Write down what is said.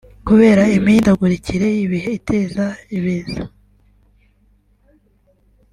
kubera imihindagurikire y’ibihe iteza ibiza